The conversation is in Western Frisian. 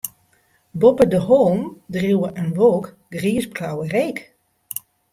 Boppe de hollen dreau in wolk griisblauwe reek.